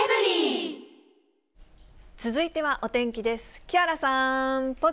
続いてはお天気です。